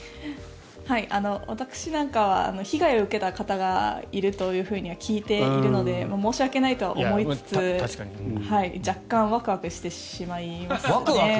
私なんかは被害を受けた方がいるとは聞いているので申し訳ないとは思いつつ若干ワクワクしてしまいますね。